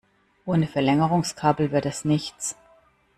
Ohne Verlängerungskabel wird das nichts.